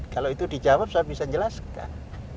kalau itu dijawab saya bisa jelaskan